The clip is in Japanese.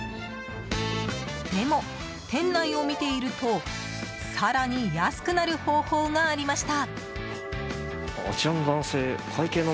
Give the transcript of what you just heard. でも、店内を見ていると更に安くなる方法がありました。